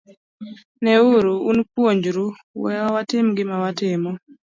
Neuru, un puonjru, wewa watim gima watimo.